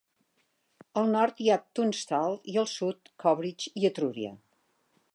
Al nord hi ha Tunstall i al sud, Cobridge i Etruria.